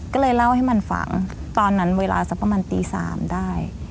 ก็เลยเล่าให้มันฟังตอนนั้นเวลาสักประมาณตี๓ได้